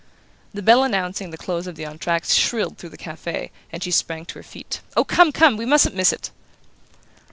The bell announcing the close of the entr' acte shrilled through the cafe, and she sprang to her feet. "Oh, come, come! We mustn't miss it!"